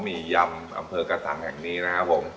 มียำอำเภอกระสังแห่งนี้นะครับผม